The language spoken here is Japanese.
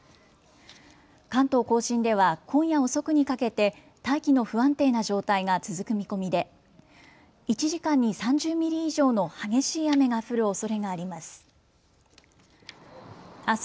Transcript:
関東甲信では今夜遅くにかけて大気の不安定な状態が続く見込みで１時間に３０ミリ以上の激しい雨が降るおそれがあります。